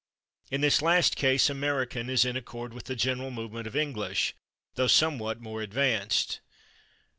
In this last case American is in accord with the general movement of English, though somewhat more advanced.